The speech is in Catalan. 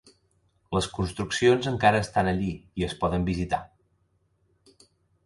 Les construccions encara estan allí i es poden visitar.